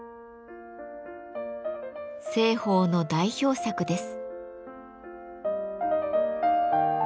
栖鳳の代表作です。